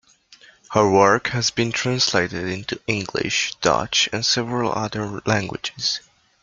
Her work has been translated into English, Dutch and several other languages.